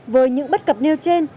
với những bất cập nêu trên